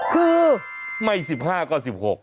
คือไม่๑๕ก็๑๖